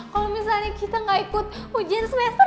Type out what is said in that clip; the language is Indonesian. kalau misalnya kita nggak ikut ujian semester